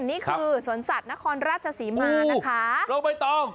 นี่คือสวนสัตว์นครราชศรีมาโอ้โหโลกไม่ต้อง